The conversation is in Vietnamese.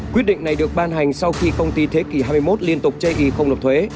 quyết định này được ban hành sau khi công ty thế kỷ hai mươi một liên tục chây ý không nộp thuế